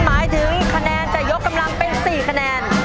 หมายถึงคะแนนจะยกกำลังเป็น๔คะแนน